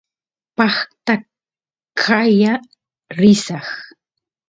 paqta qaya risaq